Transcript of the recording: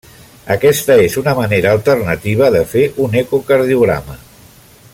Aquesta és una manera alternativa de fer un ecocardiograma.